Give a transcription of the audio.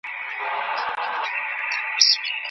د استاد لارښوونه تر کتاب او مثال روښانه وي.